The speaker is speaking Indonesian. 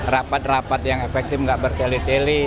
rapat rapat yang efektif nggak berkeli keli